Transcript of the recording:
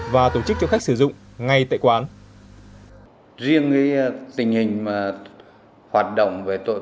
và tổ chức cho khách sử dụng ngay tại quán